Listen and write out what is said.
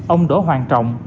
ông đỗ hoàng trọng